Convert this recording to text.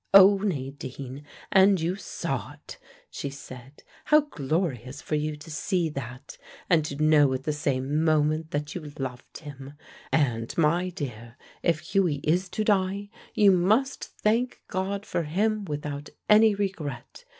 "Oh, Nadine, and you saw it!" she said. "How glorious for you to see that, and to know at the same moment that you loved him. And, my dear, if Hughie is to die, you must thank God for him without any regret.